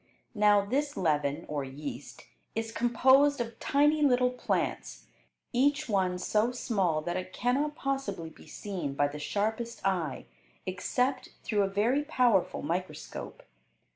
Now, this leaven, or yeast, is composed of tiny little plants, each one so small that it cannot possibly be seen by the sharpest eye except through a very powerful microscope.